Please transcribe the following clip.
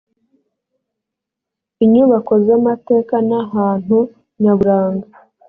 inyubako z amateka n ahantu nyaburanga